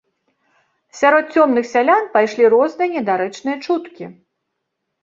Сярод цёмных сялян пайшлі розныя недарэчныя чуткі.